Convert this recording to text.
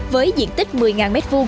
với diện tích một mươi m hai